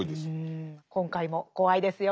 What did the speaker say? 今回も怖いですよ。